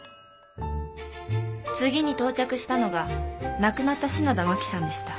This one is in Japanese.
次に到着したのが亡くなった篠田真希さんでした。